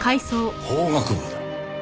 法学部だ。